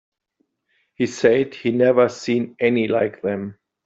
He said he had never seen any like them.